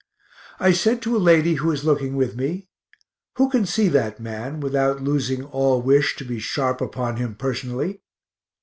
I said to a lady who was looking with me, "Who can see that man without losing all wish to be sharp upon him personally?"